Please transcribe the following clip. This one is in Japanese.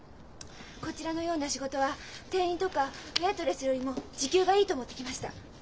こちらのような仕事は店員とかウエイトレスよりも時給がいいと思って来ました。